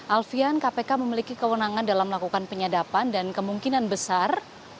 alfian kpk memiliki kewenangan dalam melakukan penyadapan dan kemungkinan besar